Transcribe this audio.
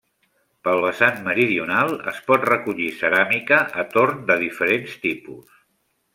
Pel vessant meridional es pot recollir ceràmica a torn de diferents tipus.